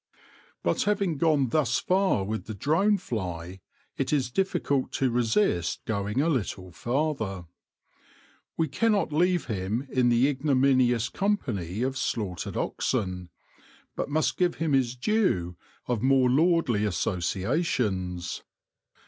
But having gone thus far with the drone fly, it is difficult to resist going a little farther. We cannot leave him in the ignominious company of slaughtered oxen, but must give him his due of more lordly asso ciations.